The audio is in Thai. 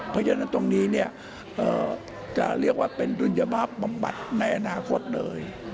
เพราะฉะนั้นตรงนี้เนี่ยจะเรียกว่าเป็นดุลยภาพบำบัดในอนาคตเลย